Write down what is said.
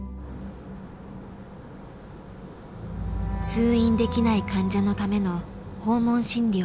通院できない患者のための訪問診療。